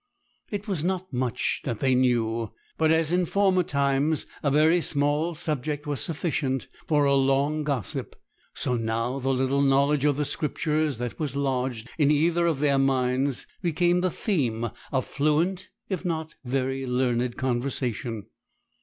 It was not much they knew; but as in former times a very small subject was sufficient for a long gossip, so now the little knowledge of the Scriptures that was lodged in either of their minds became the theme of fluent, if not very learned conversation.